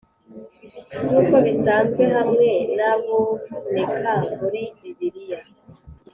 nkuko bisanzwe hamwe naboneka muri bibliya